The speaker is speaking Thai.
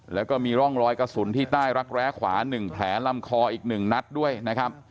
แล้วก็มีร่องรอยกระสุนที่ใต้รักแร้ขวา๑แผลลำคออีก๑นัดด้วยนะครับ